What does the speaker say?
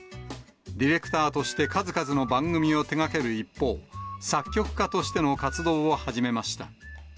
ディレクターとして数々の番組を手がける一方、作曲家としての活動を始めました。